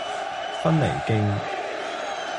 芬尼徑